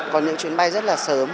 có những chuyến bay rất là sớm